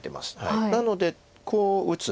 なのでこう打つ。